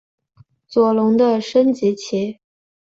左龙的升级棋。